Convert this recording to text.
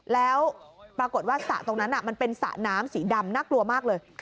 แล้วปรากฏว่าสระตรงนั้นมันเป็นสระน้ำสีดำน่ากลัวมากเลย